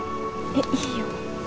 えっいいよ。